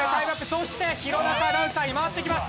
そして弘中アナウンサーに回ってきます。